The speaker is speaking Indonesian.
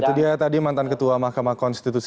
ya itu dia tadi mantan ketua mahkamah konstitus